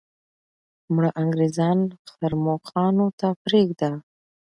مړه انګریزان ښرموښانو ته پرېږده.